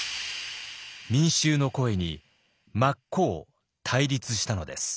民衆の声に真っ向対立したのです。